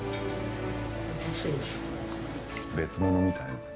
別物みたい。